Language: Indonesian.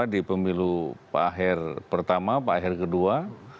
di pemilu pak aher pertama pak aher kedua